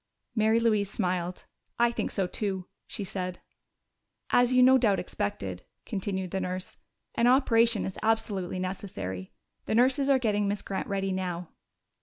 Mary Louise smiled. "I think so too," she said. "As you no doubt expected," continued the nurse, "an operation is absolutely necessary. The nurses are getting Miss Grant ready now."